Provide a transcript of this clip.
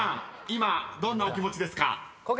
今どんなお気持ちですか？］